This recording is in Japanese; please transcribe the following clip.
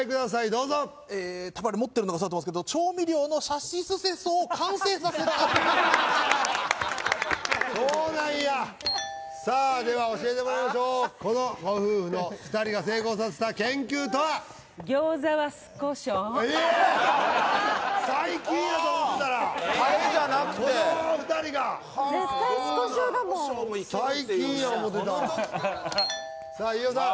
どうぞたぶんあれ持ってるのがそうだと思うんですけど調味料のさしすせそを完成させたそうなんやさあでは教えてもらいましょうこのご夫婦の２人が成功させた研究とはこのお二人が絶対酢こしょうだもん最近や思ってたさあ飯尾さん